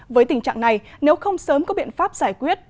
với tình trạng này nếu không sớm có biện pháp giải quyết